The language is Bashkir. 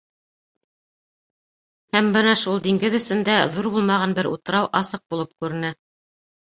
Һәм бына шул диңгеҙ эсендә ҙур булмаған бер утрау асыҡ булып күренә.